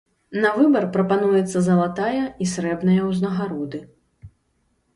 На выбар прапануецца залатая і срэбная ўзнагароды.